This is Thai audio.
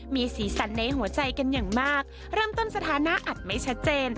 มีสีสันในหัวใจกันอย่างมากเริ่มต้นสถานะอาจไม่ชัดเจน